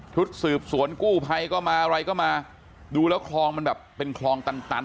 ชุดสืบสวนกู้ภัยก็มาอะไรก็มาดูแล้วคลองมันแบบเป็นคลองตัน